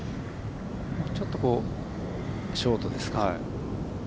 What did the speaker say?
ちょっとショートですか。